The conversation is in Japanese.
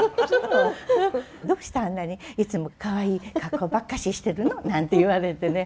「どうしてあんなにいつもかわいい格好ばっかししてるの」なんて言われてね。